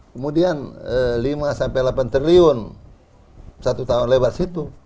kemudian lima sampai delapan triliun satu tahun lewat situ